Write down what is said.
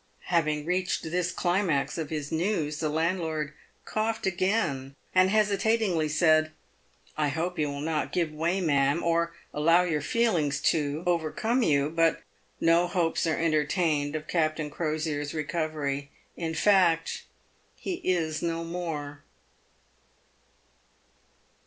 Having reached this climax of his news, the landlord coughed again, and hesitatingly said, " I hope you will not give way, ma'am — or allow your feelings to — over come you, but no hopes are entertained of Captain Crosier' s re covery — in fact, he is no more."